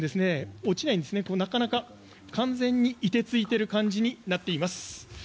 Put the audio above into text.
落ちないんですなかなか完全に凍てついてる感じになっています。